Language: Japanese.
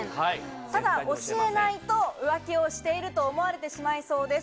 ただ教えないと、浮気をしていると思われてしまいそうです。